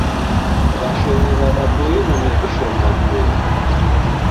W'ashomi w'adaboilwa ni kushoma vuo.